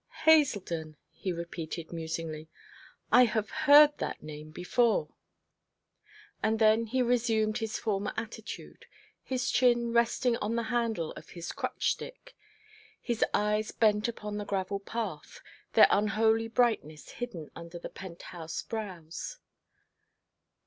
'Haselden,' he repeated musingly, 'I have heard that name before.' And then he resumed his former attitude, his chin resting on the handle of his crutch stick, his eyes bent upon the gravel path, their unholy brightness hidden under the penthouse brows.